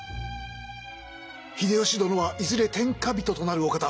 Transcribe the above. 秀吉殿はいずれ天下人となるお方。